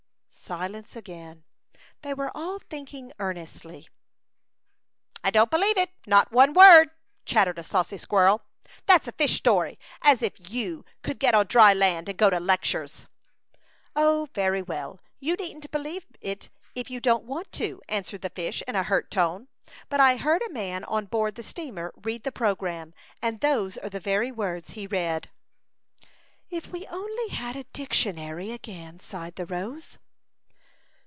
Silence again. They were all think ing earnestly. 40 A Chautauqua Idyl. " I don't believe it. Not one word." chattered a saucy squirrel. " That's a fish story. As if you could get on dry land and go to lectures." " Oh ! very well, you needn't believe it if you don't want to," answered the fish in a hurt tone, "but I heard a man on board the steamer read the A Chautauqua Idyl. 41 programme, and those are the very words he read/' " If we only had a dictionary/' again sighed the rose.